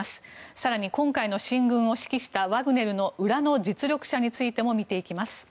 更に今回の進軍を指揮したワグネルの裏の実力者についても見ていきます。